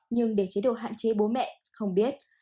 nhưng để chế độ hạn chế bố mẹ không biết